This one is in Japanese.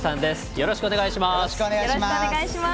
よろしくお願いします。